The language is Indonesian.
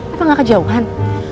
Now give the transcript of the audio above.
apa nggak kejauhan